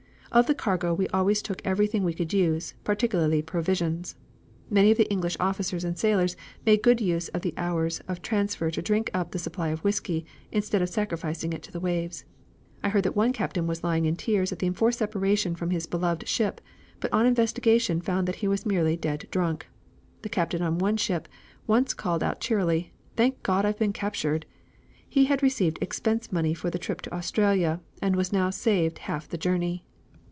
Of the cargo we always took every thing we could use, particularly provisions. Many of the English officers and sailors made good use of the hours of transfer to drink up the supply of whisky instead of sacrificing it to the waves. I heard that one captain was lying in tears at the enforced separation from his beloved ship, but on investigation found that he was merely dead drunk, The captain on one ship once called out cheerily 'Thank God, I've been captured.' He had received expense money for the trip to Australia, and was now saved half the journey."